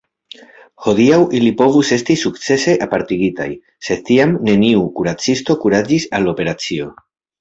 Hodiaŭ ili povus esti sukcese apartigitaj, sed tiam neniu kuracisto kuraĝis al operacio.